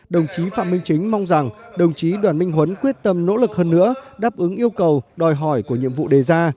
đồng chí phạm minh chính mong rằng đồng chí đoàn minh huấn quyết tâm nỗ lực hơn nữa đáp ứng yêu cầu đòi hỏi của nhiệm vụ đề ra